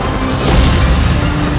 kau tidak bisa menang